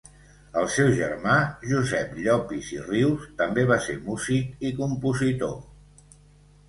El seu germà Josep Llopis i Rius també va ser músic i compositor.